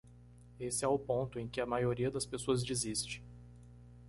Esse é o ponto em que a maioria das pessoas desiste.